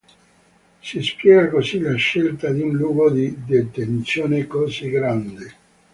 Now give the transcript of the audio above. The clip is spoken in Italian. Si spiega così la scelta di un luogo di detenzione così grande.